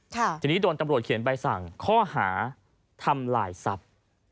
ทีนี้โดนตำรวจเขียนใบสั่งข้อหาทำลายทรัพย์